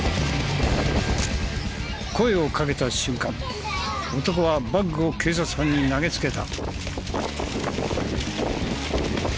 声をかけた瞬間男はバッグを警察官に投げつけた。